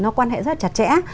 nó quan hệ rất chặt chẽ